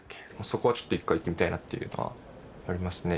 そこはちょっと１回行ってみたいなっていうのはありますね。